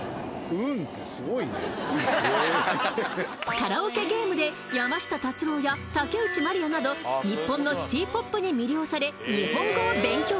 カラオケゲームで山下達郎や竹内まりやなど日本のシティポップに魅了され日本語を勉強。